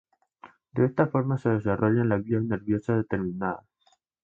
De esta forma se desarrollan las vías nerviosas determinadas.